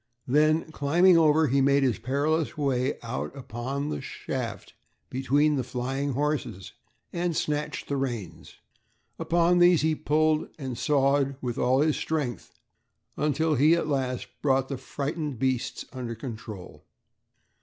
Then climbing over, he made his perilous way out upon the shaft between the flying horses and snatched the reins. Upon these he pulled and sawed with all his strength until he at last brought the frightened beasts under control.